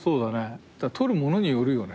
撮るものによるよね。